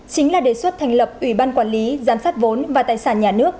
chính là đề xuất thành lập ủy ban quản lý giám sát vốn và tài sản nhà nước